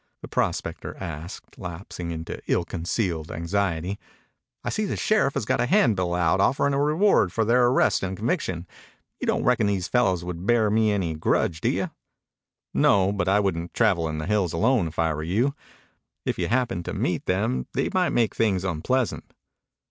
the prospector asked, lapsing to ill concealed anxiety. "I see the sheriff has got a handbill out offerin' a reward for their arrest and conviction. You don't reckon those fellows would bear me any grudge, do you?" "No. But I wouldn't travel in the hills alone if I were you. If you happened to meet them they might make things unpleasant."